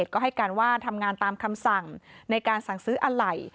ก็ให้การว่าทำงานตามคำสั่งในการสั่งซื้ออะไหล่